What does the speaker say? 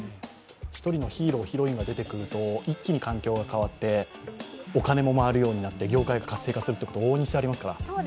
１人のヒーロー、ヒロインが出てくると一気に環境が変わって、お金も回るようになって業界が活性化するというのは大いにありますから。